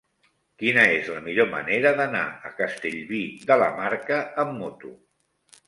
Quina és la millor manera d'anar a Castellví de la Marca amb moto?